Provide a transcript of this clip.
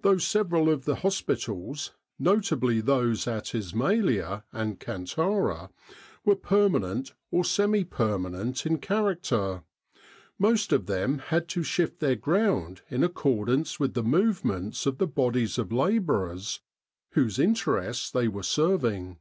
Though several of the hospitals notably those at Ismailia and Kantara were permanent or semi permanent in character, most of them had to shift their ground in accordance with the movements of the bodies of labourers whose in terests they were serving.